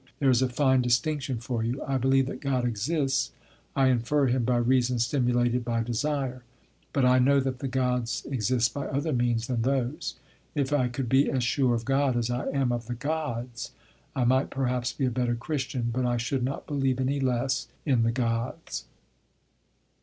There is a fine distinction for you: I believe that God exists; I infer him by reason stimulated by desire. But I know that the Gods exist by other means than those. If I could be as sure of God as I am of the Gods, I might perhaps be a better Christian, but I should not believe any less in the Gods.